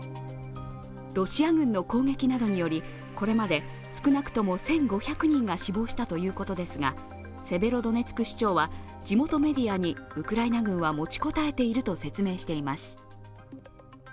ロシア軍の攻撃などにより、これまで少なくとも１５００人が死亡したということですが、セベロドネツク市長は地元メディアにウクライナ軍は持ちこたえていると説明しています。